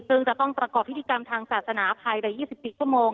ซึ่งจะต้องประกอบพิธีกรรมทางศาสนาภายใน๒๔ชั่วโมง